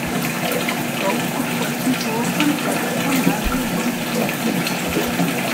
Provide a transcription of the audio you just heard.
I thought it was important that somebody went to his.